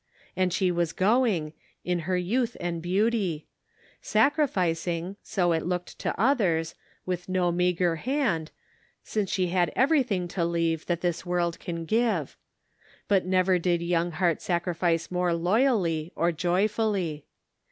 And she was going, in her youth and beauty ; sacrificing, so it looked to others, with no meager hand, since she had every thing to leave, that this world can give ; but never did young heart sacrifice more loyally or joyfully.